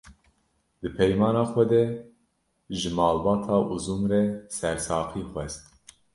Di peyama xwe de ji malbata Uzun re sersaxî xwest